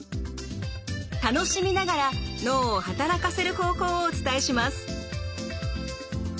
楽しみながら脳を働かせる方法をお伝えします。